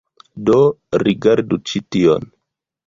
Do, rigardu ĉi tion